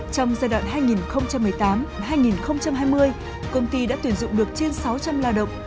trong giai đoạn hai nghìn một mươi tám hai nghìn hai mươi công ty đã tuyển dụng được trên sáu trăm linh lao động